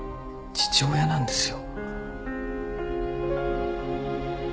父親なんですよ。